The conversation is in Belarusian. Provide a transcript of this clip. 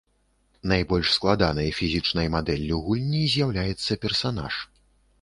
Найбольш складанай фізічнай мадэллю гульні з'яўляецца персанаж.